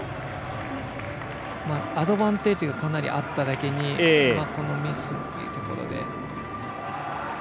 アドバンテージがかなりあっただけにこのミスっていうところで。